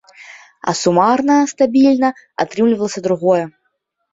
А сумарна стабільна атрымлівалася другое.